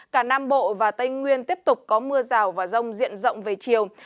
cả nam bộ và tây nguyên tiếp tục có mưa rào và rông diện rộng về chiều